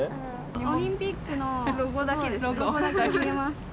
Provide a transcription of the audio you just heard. オリンピックのロゴだけです